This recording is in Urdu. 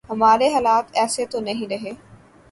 ہمارے حالات ایسے تو نہیں رہے۔